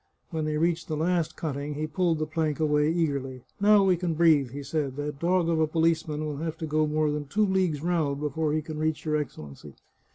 When they reached the last cutting he pulled the plank away eagerly. " Now we can breathe," he said. " That dog of a policeman will have to go more than two leagues round before he can reach your Excellency.